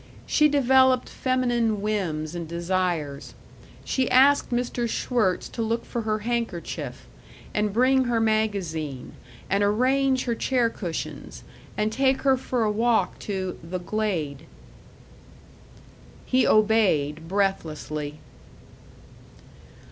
She developed feminine whims and desires. She asked Mr. Schwirtz to look for her handkerchief, and bring her magazine, and arrange her chair cushions, and take her for a walk to "the Glade." He obeyed breathlessly.